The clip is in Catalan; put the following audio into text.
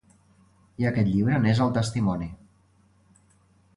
i aquest llibre n'és el testimoni